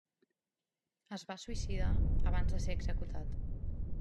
Es va suïcidar abans de ser executat.